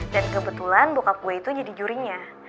dan kebetulan bokap gue itu jadi jurinya